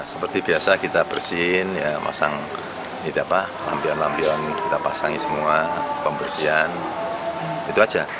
seperti biasa kita bersihin kita pasang lampion lampion kita pasangkan semua pembersihan itu saja